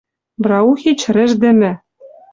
Браухич рӹждӹмӹ —